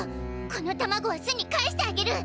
このタマゴは巣に返してあげる！